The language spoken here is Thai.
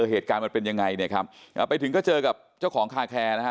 เหตุการณ์มันเป็นยังไงเนี่ยครับอ่าไปถึงก็เจอกับเจ้าของคาแคร์นะฮะ